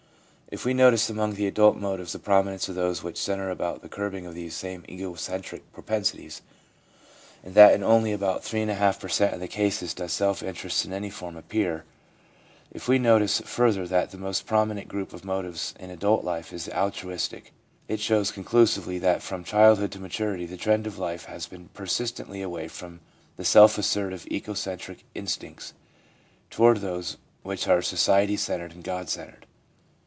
If we notice among the adult motives the prominence of those which centre about the curbing of these same egocentric propensities, and that in only about 3^ per cent, of the cases does self interest in any form appear ; if we notice further that the most prominent group of motives in adult life is the altruistic, it shows conclusively that from childhood to maturity the trend of life has been per sistently away from the self assertive, egocentric instincts towards those which are society centered and God centered.